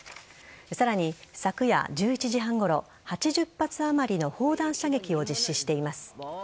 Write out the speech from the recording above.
さらに昨夜１１時半ごろ８０発あまりの砲弾射撃を実施しています。